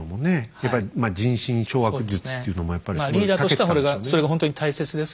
やっぱり人心掌握術っていうのもやっぱりすごいたけてたんでしょうね。